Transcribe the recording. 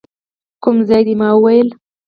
کوم ځای دی؟ ما وویل.